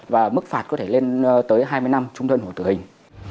và mức phạt có thể lên tới hai mươi năm trung thân hồ tử hình